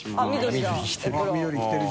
緑着てる。